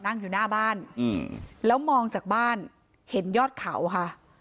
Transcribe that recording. นั่งอยู่หน้าบ้านแล้วมองจากบ้านเห็นยอดเขาค่ะ